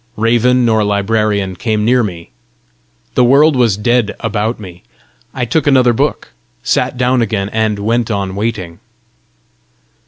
Raven nor librarian came near me. The world was dead about me. I took another book, sat down again, and went on waiting.